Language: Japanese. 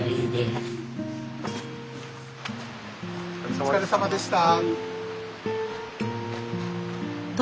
お疲れさまでした。